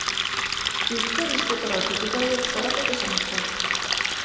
うっかりしてたら食材を腐らせてしまった